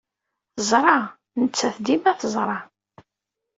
Teẓra. Nettat dima teẓra.